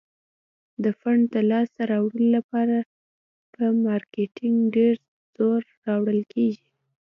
د فنډ د لاس ته راوړلو لپاره په مارکیټینګ ډیر زور راوړل کیږي.